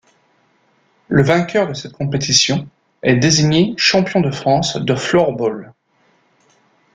Le vainqueur de cette compétition est désigné Champion de France de Floorball.